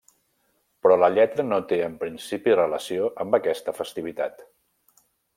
Però la lletra no té en principi relació amb aquesta festivitat.